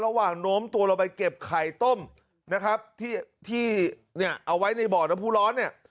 โน้มตัวลงไปเก็บไข่ต้มนะครับที่ที่เนี่ยเอาไว้ในบ่อน้ำผู้ร้อนเนี่ย